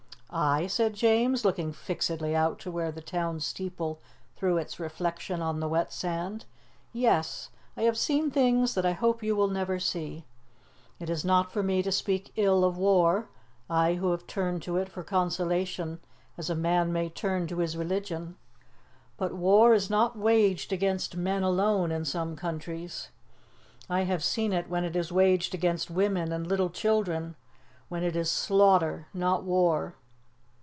"I?" said James, looking fixedly out to where the town steeple threw its reflection on the wet sand "yes. I have seen things that I hope you will never see. It is not for me to speak ill of war, I who have turned to it for consolation as a man may turn to his religion. But war is not waged against men alone in some countries. I have seen it when it is waged against women and little children, when it is slaughter, not war.